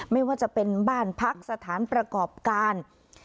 ไม่ว่าจะเป็นบ้านพักสถานประกอบการ